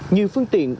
như phương tiện